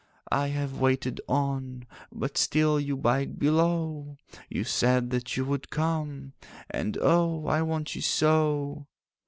'I have waited on, But still you bide below; You said that you would come, And oh, I want you so!